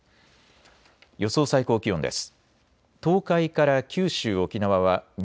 予想最高気温です。